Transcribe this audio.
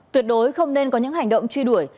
tuyệt đối không nên có những hành động truy đuổi